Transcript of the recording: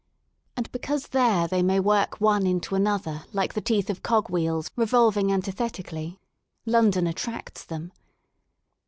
And because there they may work one into another like the teeth of cogwheels revolving antithetically, London attracts them.